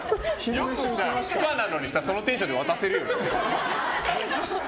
よく不可なのにそのテンションで渡せるよね。